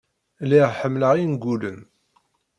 Lliɣ ḥemmleɣ ingulen.